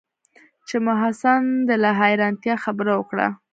چې محسن د لا حيرانتيا خبره وکړه.